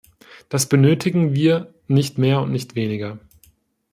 Das benötigen wir, nicht mehr und nicht weniger.